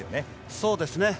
そうですね。